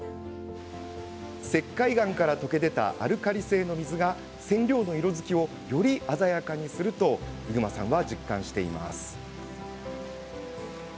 石灰岩から溶け出たアルカリ性の水が染料の色づきを鮮やかにすると伊熊さんは、実感しています。